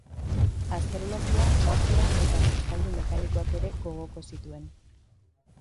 Astrologia, magia eta jostailu mekanikoak ere gogoko zituen.